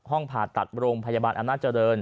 ห้องผ่าตัดโรงพยาบาลอำนาจริย์